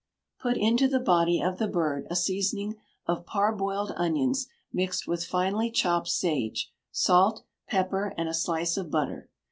Put into the body of the bird a seasoning of parboiled onions mixed with finely chopped sage, salt, pepper, and a slice of butter.